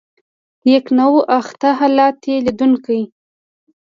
یکنواخته حالت یې لیدونکي.